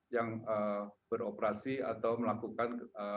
yang beroperasi atau melakukan